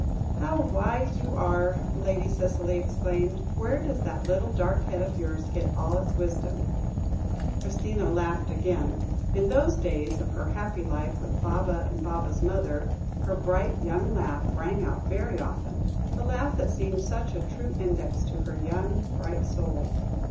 "How wise you are," Lady Cicely exclaimed; "where does that little dark head of yours get all its wisdom?" Christina laughed again. In those days of her happy life with Baba and Baba's mother, her bright young laugh rang out very often the laugh that seemed such a true index to her young, bright soul.